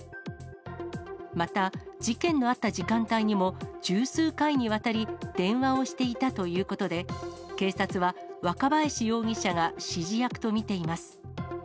また、事件のあった時間帯にも、十数回にわたり、電話をしていたということで、警察は若林容疑者が指示役と見ています。